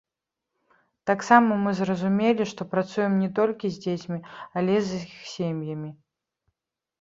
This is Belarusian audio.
Таксама мы зразумелі, што працуем не толькі з дзецьмі, але і з іх сем'ямі.